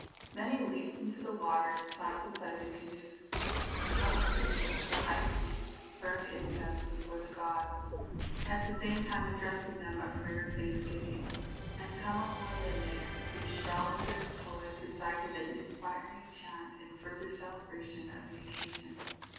Many leaped into the water and swam beside the canoes. Mookini, the high priest, burned incense before the gods, at the same time addressing them a prayer of thanksgiving, and Kamahualele, the astrologer and poet, recited an inspiring chant in further celebration of the occasion.